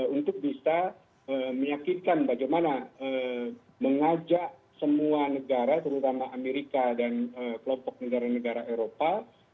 untuk bisa meyakinkan bagaimana mengajak semua negara terutama amerika dan kelompok negara negara eropa